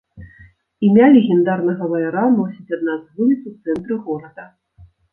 Імя легендарнага ваяра носіць адна з вуліц у цэнтры горада.